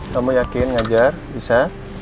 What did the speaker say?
kamu yakin ngajar bisa